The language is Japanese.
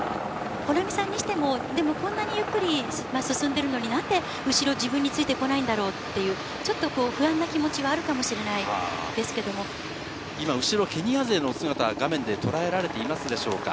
穂南さんにしても、でもこんなにゆっくり進んでるのに、なんで後ろ、自分についてこないんだろうという、ちょっと不安な気持ちはある今、後ろ、ケニア勢の姿、画面で捉えられていますでしょうか。